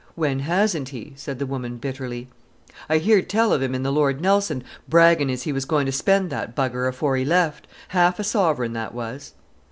"When hasn't he?" said the woman bitterly. "I heered tell of him in the 'Lord Nelson' braggin' as he was going to spend that b—— afore he went: half a sovereign that was."